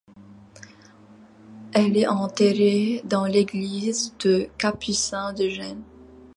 Elle est enterrée dans l'église de Capucins de Gênes.